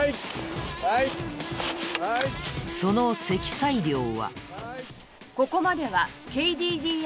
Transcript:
その積載量は。